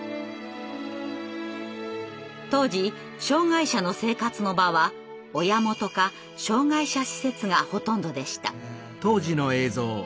当時障害者の生活の場は「親元」か「障害者施設」がほとんどでした。